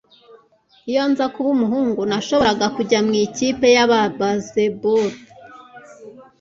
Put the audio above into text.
Iyo nza kuba umuhungu, nashoboraga kujya mu ikipe ya baseball.